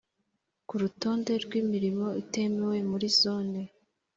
Ku rutonde rw imirimo itemewe muri zone